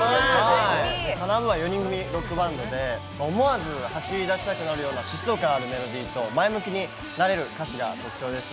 ＫＡＮＡ−ＢＯＯＮは４人組ロックバンドで思わず走り出したくなるような疾走感と前向きになれる歌詞が特徴です。